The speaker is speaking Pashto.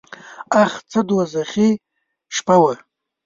اخ څه دوږخي شپه وه .